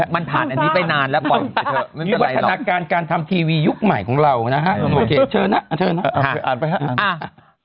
วันธนาคารการทำทีวียุคใหม่ของเรานะฮะเชิญนะอ่านไปฮะ